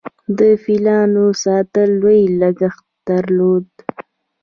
د فیلانو ساتل لوی لګښت درلود